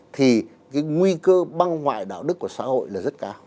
thì cái nguy cơ băng ngoại đạo đức của xã hội là rất cao